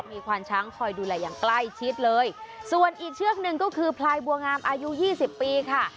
มีควานช้างคอยดูแลอย่างใกล้ชิดเลยส่วนอีกเชือกหนึ่งก็คือพลายบัวงามอายุยี่สิบปีค่ะ